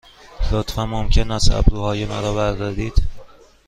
لطفاً ممکن است ابروهای مرا بردارید؟